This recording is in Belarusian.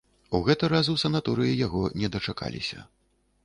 У гэты раз у санаторыі яго не дачакаліся.